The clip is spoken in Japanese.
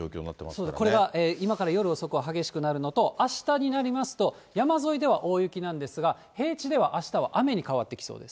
そうですね、これが今から夜遅くは激しくなるのと、あしたになりますと、山沿いでは大雪なんですが、平地ではあしたは雨に変わってきそうです。